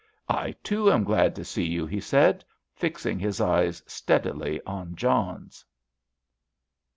"I, too, am glad to see you," he said, fixing his eyes steadily on John's.